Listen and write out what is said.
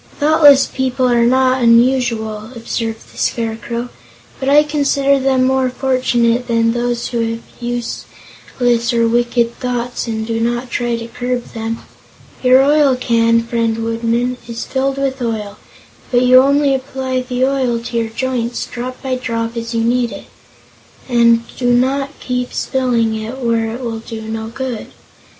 "Thoughtless people are not unusual," observed the Scarecrow, "but I consider them more fortunate than those who have useless or wicked thoughts and do not try to curb them. Your oil can, friend Woodman, is filled with oil, but you only apply the oil to your joints, drop by drop, as you need it, and do not keep spilling it where it will do no good.